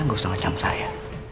anda gak usah ngecam saya